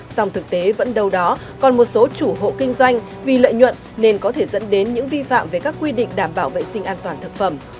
song thực tế vẫn đâu đó còn một số chủ hộ kinh doanh vì lợi nhuận nên có thể dẫn đến những vi phạm về các quy định đảm bảo vệ sinh an toàn thực phẩm